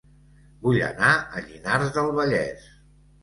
Vull anar a Llinars del Vallès